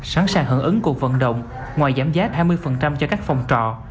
sẵn sàng hợp ứng cuộc vận động ngoài giảm giá hai mươi cho các phòng trọ